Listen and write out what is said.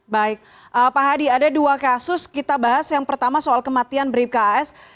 baik pak hadi ada dua kasus kita bahas yang pertama soal kematian bribka as